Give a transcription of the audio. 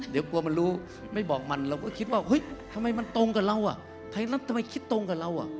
เดี๋ยวกลัวมันรู้ไม่บอกมันเราก็คิดว่าเฮ้ยทำไมมันตรงกับเราอ่ะไทยรัฐทำไมคิดตรงกับเราอ่ะ